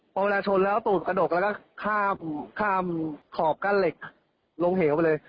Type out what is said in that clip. พอเวลาชนแล้วตูดกระดกแล้วก็ข้ามขอบกั้นเหล็กลงเหวไปเลย